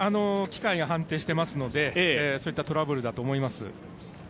機械が判定してますのでそういったトラブルだと思います。